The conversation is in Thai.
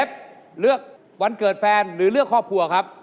เลือกวันเกิดแฟนหรือเลือกครอบครัวครับ